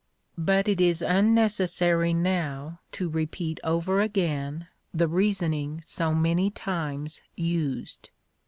But it is unnecessary now to repeat over again the reasoning so many times used.